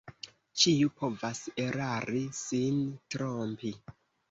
Ĉiu povas erari, sin trompi...